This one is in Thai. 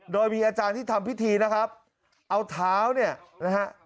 โดยมีอาจารย์ที่ทำพิธีนะครับเอาเท้าเนี่ยนะฮะ